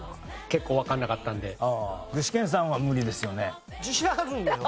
具志堅さんは無理ですよね？